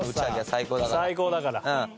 最高だから。